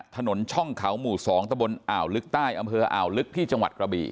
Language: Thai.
ถนนช่องเขาหมู่๒ตะบนอ่าวลึกใต้อำเภออ่าวลึกที่จังหวัดกระบี่